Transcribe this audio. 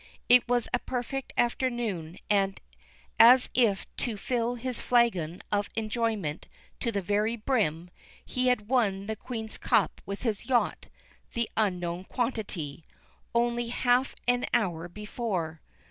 It was a perfect afternoon, and, as if to fill his flagon of enjoyment to the very brim, he had won the Queen's Cup with his yacht, The Unknown Quantity, only half an hour before.